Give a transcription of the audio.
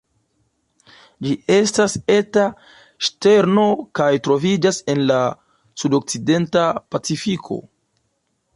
Ĝi estas eta ŝterno kaj troviĝas en la sudokcidenta Pacifiko.